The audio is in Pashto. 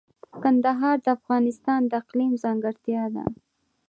کندهار د افغانستان د اقلیم ځانګړتیا ده.